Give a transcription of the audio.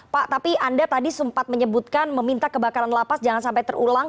pak tapi anda tadi sempat menyebutkan meminta kebakaran lapas jangan sampai terulang